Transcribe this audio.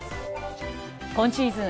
今シーズン